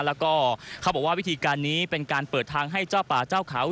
แล้วก็เขาบอกว่าวิธีการนี้เป็นการเปิดทางให้เจ้าป่าเจ้าเขา